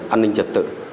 an ninh trật tự